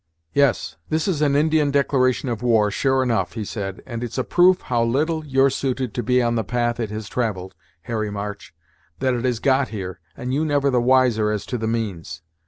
"Yes, this is an Indian declaration of war, sure enough," he said, "and it's a proof how little you're suited to be on the path it has travelled, Harry March, that it has got here, and you never the wiser as to the means.